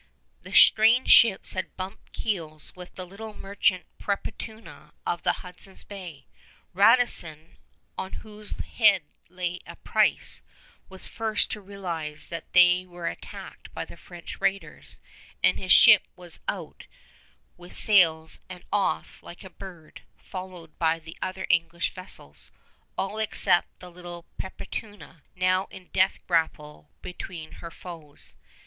The strange ships had bumped keels with the little Merchant Perpetuana of the Hudson's Bay. Radisson, on whose head lay a price, was first to realize that they were attacked by French raiders; and his ship was out with sails and off like a bird, followed by the other English vessels, all except the little Perpetuana, now in death grapple between her foes.